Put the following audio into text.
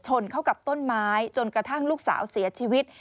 เข้ากับต้นไม้จนกระทั่งลูกสาวเสียชีวิต